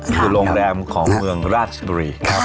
คือโรงแรมของเมืองราชบุรีครับ